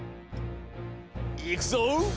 いくぞ！